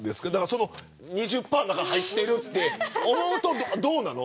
その２０％の中に入ってるって思うと、どうなの。